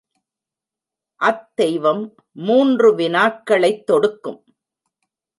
அத்தெய்வம் மூன்று வினாக்களைத் தொடுக்கும்.